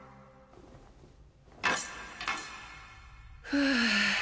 ふう